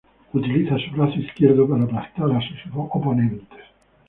Utiliza su brazo izquierdo para aplastar a sus oponentes.